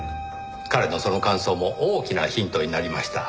彼のその感想も大きなヒントになりました。